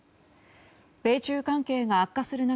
米中関係が悪化する中